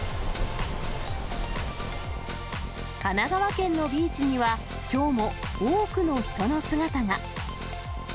神奈川県のビーチには、きょうも多くの人の姿が。